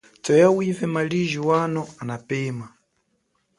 Tweya wive maliji wano anapema.